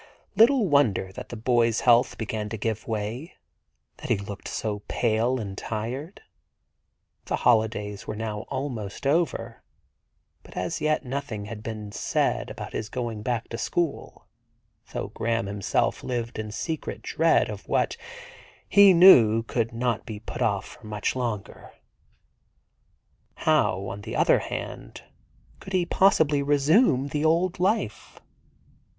Little wonder that the boy's health began to give way ; that he looked so pale and tired ! The holidays were now almost over, but as yet nothing had been said about his going back to school, though Graham himself lived in secret dread of what he knew could not be put off for much longer. How, on the other hand, could he possibly resume the old life?